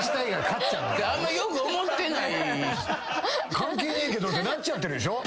関係ねえけどってなっちゃってるでしょ。